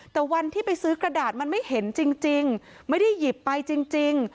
แต่วันที่ไปซื้อกระดาษมันไม่เห็นจริงไม่ได้หยิบไปจริง